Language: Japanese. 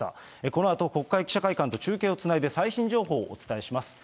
このあと国会記者会館と中継をつないで最新情報をお伝えします。